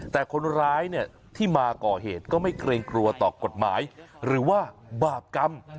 แต่คนร้ายเนี่ยที่มาก่อเหตุก็ไม่เกรงกลัวต่อกฎหมายหรือว่าบาปกรรม